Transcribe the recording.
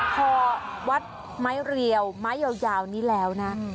พอวัดไม้เรียวไม้ยาวนี้แล้วนะ